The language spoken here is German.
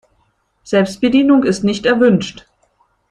Selbstbedienung ist nicht erwünscht.